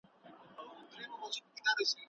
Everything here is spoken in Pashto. اخلاق باید بې اهمیته ونه ګڼل سي.